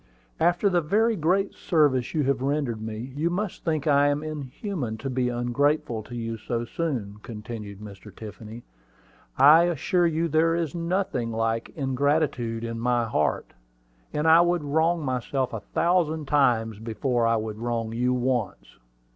"After the very great service you have rendered me, you must think I am inhuman to be ungrateful to you so soon," continued Mr. Tiffany. "I assure you there is nothing like ingratitude in my heart; and I would wrong myself a thousand times before I would wrong you once."